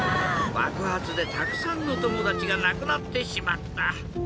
ばくはつでたくさんのともだちがなくなってしまった。